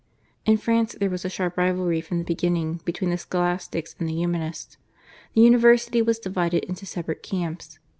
In France there was a sharp rivalry from the beginning between the Scholastics and the Humanists. The university was divided into separate camps.